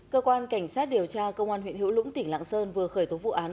cơ quan cảnh sát điều tra công an huyện hữu lũng tỉnh lạng sơn vừa khởi tố vụ án